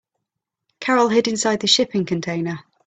Carol hid inside the shipping container.